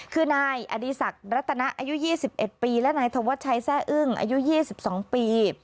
คือนายอดีศักดิ์รัตนะอายุ๒๑ปีและนายธวัชชัยแซ่อึ้งอายุ๒๒ปี